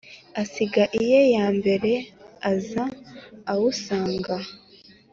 Asiga iye ya mbere aza awusanga!